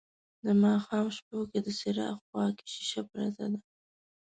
د ماښام شپو کې د څراغ خواکې شیشه پرته ده